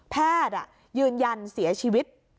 พยานยืนยันเสียชีวิต